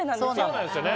そうなんですよね